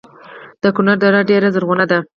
د کونړ دره ډیره زرغونه ده